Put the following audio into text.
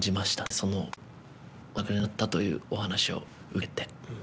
そのお亡くなりになったというお話を受けて。